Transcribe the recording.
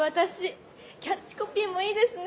キャッチコピーもいいですね！